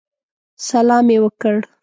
سلام یې وکړ.